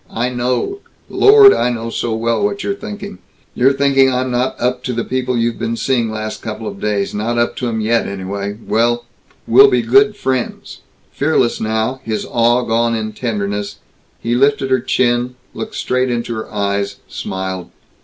I know, Lord I know so well what you're thinking! You're thinking I'm not up to the people you've been seeing last couple of days not up to 'em yet, anyway. Well We'll be good friends." Fearless, now, his awe gone in tenderness, he lifted her chin, looked straight into her eyes, smiled.